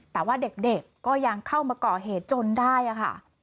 แต่ว่าเด็กก็ยังเข้ามาก่อเหตุจนได้ค่ะ